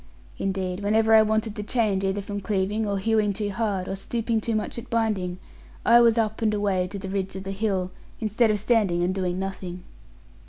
Indeed, whenever I wanted a change, either from cleaving, or hewing too hard, or stooping too much at binding, I was up and away to the ridge of the hill, instead of standing and doing nothing.